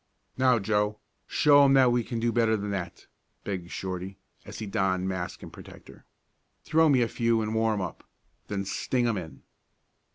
"Now, Joe, show 'em that we can do better than that," begged Shorty, as he donned mask and protector. "Throw me a few and warm up. Then sting 'em in!"